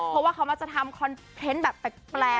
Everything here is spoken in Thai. เพราะว่าจะทำกินแบบแปลกแกล้ว